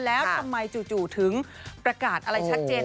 แล้วทำไมจู่ถึงประกาศอะไรชัดเจน